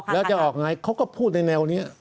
แล้วจะออกไงเขาก็พูดในแนวนี้